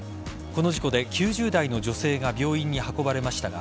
この事故で９０代の女性が病院に運ばれましたが